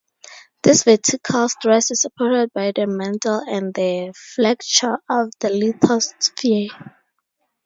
This vertical stress is supported by the mantle and the flexure of the lithosphere.